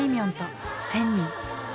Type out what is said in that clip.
んと１，０００人。